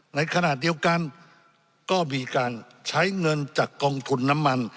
ในขณะเดียวกันก็มีการใช้เงินจากกองทุนน้ำมัน